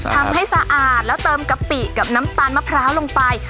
ทำให้สะอาดแล้วเติมกะปิกับน้ำตาลมะพร้าวลงไป